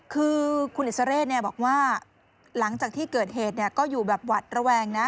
คือคุณอิสเรศบอกว่าหลังจากที่เกิดเหตุก็อยู่แบบหวัดระแวงนะ